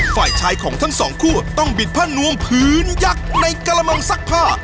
ฝ่ายชายของทั้งสองคู่ต้องบิดผ้านวมพื้นยักษ์ในกระมังซักผ้า